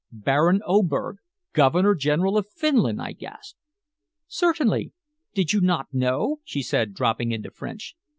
"Baron Oberg Governor General of Finland!" I gasped. "Certainly. Did you not know?" she said, dropping into French.